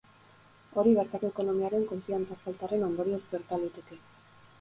Hori bertako ekonomiaren konfiantza faltaren ondorioz gerta liteke.